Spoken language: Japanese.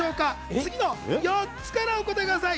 次の４つからお答えください。